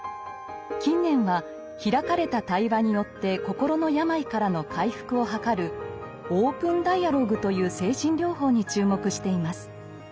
近年は開かれた対話によって心の病からの回復を図る「オープンダイアローグ」という精神療法に注目しています。